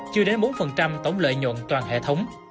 chưa đến bốn tổng lợi nhuận toàn hệ thống